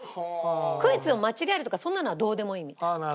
クイズを間違えるとかそんなのはどうでもいいみたい。